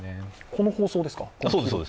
この包装ですか？